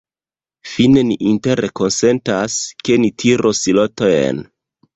Fine ni interkonsentas, ke ni tiros lotojn.